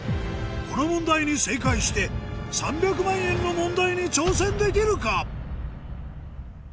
この問題に正解して３００万円の問題に挑戦できるか？